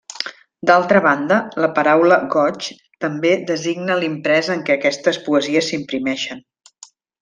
D'altra banda, la paraula goigs també designa l'imprès en què aquestes poesies s'imprimeixen.